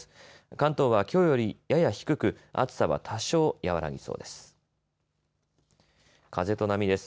関東はきょうよりやや低く暑さは多少、和らぎそうです。